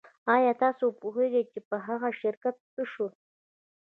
ایا تاسو پوهیږئ چې په هغه شرکت څه شول